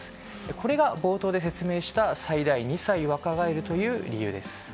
これが冒頭で説明した最大２歳若返る理由です。